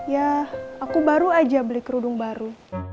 ya aku baru aja beli kerudung baru